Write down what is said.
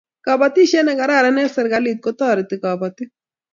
kabaishiet ne kararan eng serekalit kotareti kabatik